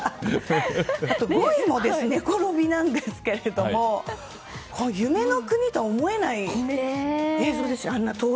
あと５位も寝転びなんですけど夢の国と思えない映像でした。